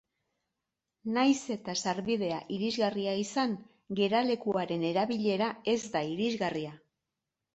Nahiz eta sarbidea irisgarria izan, geralekuaren erabilera ez da irisgarria.